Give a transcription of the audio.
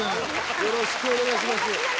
よろしくお願いします。